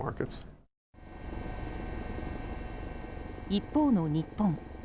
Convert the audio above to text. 一方の日本。